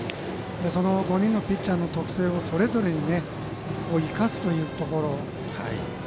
その５人のピッチャーの特性をそれぞれ生かすというところ。